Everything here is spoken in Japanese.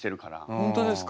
本当ですか？